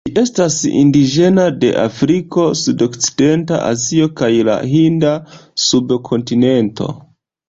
Ĝi estas indiĝena de Afriko, Sudokcidenta Azio, kaj la Hinda subkontinento.